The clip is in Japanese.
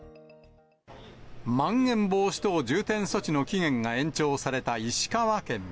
まん延防止等重点措置の期限が延長された石川県。